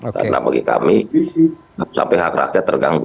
karena bagi kami sampai hak rakyat terganggu